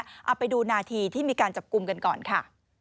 เอาไปดูนาทีที่มีการจับกลุ่มกันก่อนค่ะ